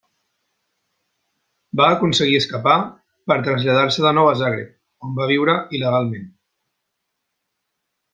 Va aconseguir escapar, per traslladar-se de nou a Zagreb, on va viure il·legalment.